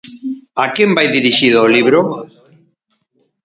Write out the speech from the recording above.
A quen vai dirixido o libro?